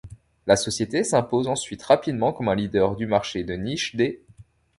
La société s’impose ensuite rapidement comme un leader du marché de niche des '.